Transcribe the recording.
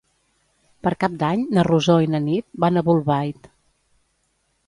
Per Cap d'Any na Rosó i na Nit van a Bolbait.